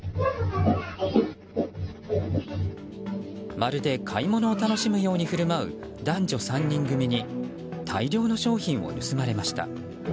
まるで買い物を楽しむように振る舞う男女３人組に大量の商品を盗まれました。